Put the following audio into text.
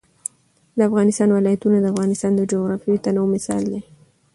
د افغانستان ولايتونه د افغانستان د جغرافیوي تنوع مثال دی.